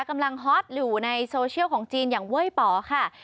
ฮอตอยู่ในโซเชียลของจีนอย่างเว้ยป๋อค่ะ